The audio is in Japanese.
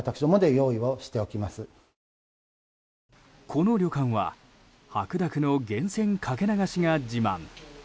この旅館は白濁の源泉かけ流しが自慢。